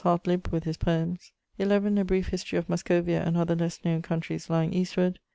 Hartlib (with his poëms). 11. A brief history of Muscovia and other less knowne countries lyeing eastward.